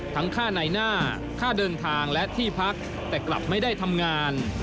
ค่าในหน้าค่าเดินทางและที่พักแต่กลับไม่ได้ทำงาน